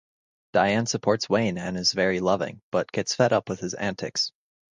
Diane supports Wayne and is very loving, but gets fed up with his antics.